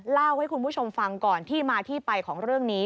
เล่าให้คุณผู้ชมฟังก่อนที่มาที่ไปของเรื่องนี้